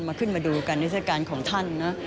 มาขึ้นมาดูการนิทธิศการของท่านนะ